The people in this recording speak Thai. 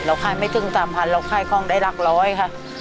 ค่ายไม่ถึง๓๐๐เราค่ายของได้หลักร้อยค่ะ